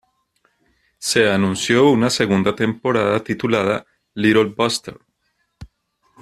Se anunció una segunda temporada titulada "Little Busters!